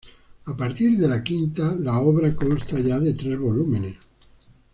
A partir de la quinta la obra consta ya de tres volúmenes.